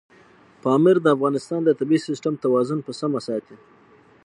پامیر د افغانستان د طبعي سیسټم توازن په سمه ساتي.